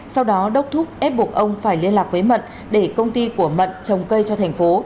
sau đó đốc thuốc ép buộc ông phải liên lạc với mận để công ty của mận trồng cây cho thành phố